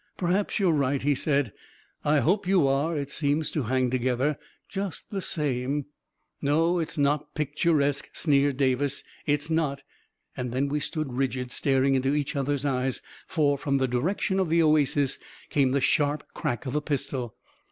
" Perhaps you're right," he said. " I hope you are — it seems to hang together. Just the same ••."" No, it's not picturesque," sneered Davis. " It's not ..." And then we stood rigid, staring into each other's eyes, for, from the direction of the oasis, came the sharp crack of a pistol.